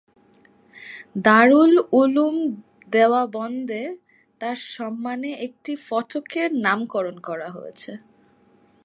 দারুল উলুম দেওবন্দে তার সম্মানে একটি ফটকের নামকরণ করা হয়েছে।